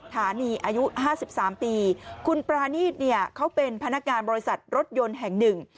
ฐานีอายุ๕๓ปีคุณปรานีตเนี่ยเขาเป็นพนักงานบริษัทรถยนต์แห่งหนึ่ง